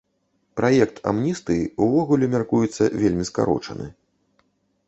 Праект амністыі ўвогуле мяркуецца вельмі скарочаны.